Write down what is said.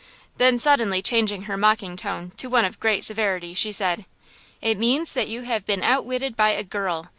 Then, suddenly changing her mocking tone to one of great severity, she said: "It means that you have been outwitted by a girl!